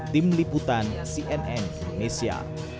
tim liputan cnn indonesia